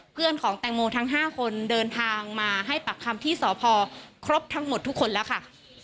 เพื่อนของแตงโมทั้ง๕คนเดินทางมาให้ปากคำที่สพครบทั้งหมดทุกคนแล้วค่ะ